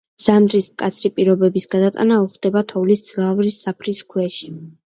ზამთრის მკაცრი პირობების გადატანა უხდება თოვლის მძლავრი საფრის ქვეშ.